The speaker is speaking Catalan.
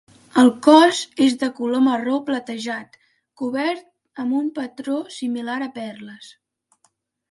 El cos és de color marró platejat, cobert amb un patró similar a perles.